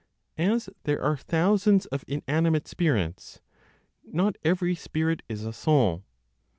As there are thousands of inanimate spirits, not every spirit is a soul.